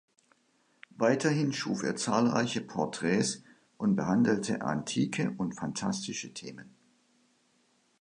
Weiterhin schuf er zahlreiche Porträts und behandelte antike und phantastische Themen.